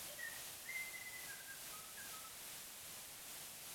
Sv. Vladimír je zobrazen také nad vraty chrámu.